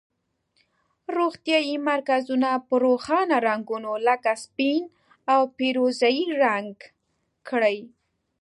روغتیایي مرکزونه په روښانه رنګونو لکه سپین او پیروزه یي رنګ کړئ.